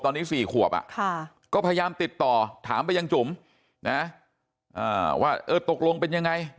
ตอนนี้๔ขวบก็พยายามติดต่อถามไปยังจุ๋มนะว่าเออตกลงเป็นยังไง